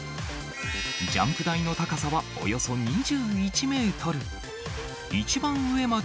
ジャンプ台の高さはおよそ２１メートル。